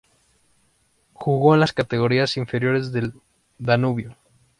Jugó en las categorías inferiores del Danubio.